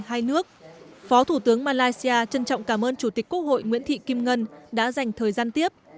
hai nước phó thủ tướng malaysia trân trọng cảm ơn chủ tịch quốc hội nguyễn thị kim ngân đã dành thời gian tiếp